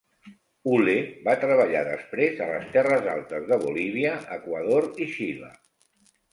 Uhle va treballar després a les terres altes de Bolívia, Ecuador i Xile.